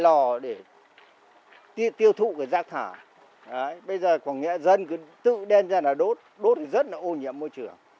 lò để tiêu thụ cái rác thải bây giờ dân cứ tự đen ra là đốt đốt thì rất là ô nhiễm môi trường